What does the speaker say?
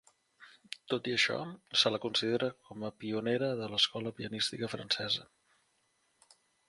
Tot i això, se la considera com a pionera de l’escola pianística francesa.